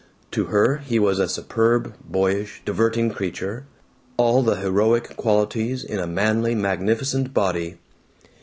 To her he was a superb, boyish, diverting creature; all the heroic qualities in a manly magnificent body.